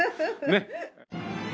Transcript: ねっ。